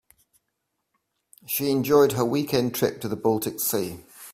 She enjoyed her weekend trip to the baltic sea.